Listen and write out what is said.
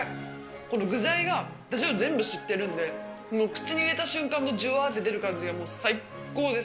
この具材が全部吸ってるんで、口に入れた瞬間のじゅわーっと出る感じが、もう最高です。